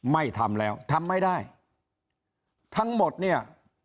ไม่ทำแล้วทำไม่ได้ทั้งหมดเนี่ย